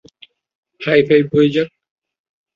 High five হয়ে যাক।